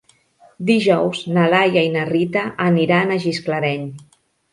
Dijous na Laia i na Rita aniran a Gisclareny.